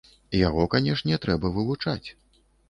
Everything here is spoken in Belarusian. Яго, канешне, трэба вывучаць.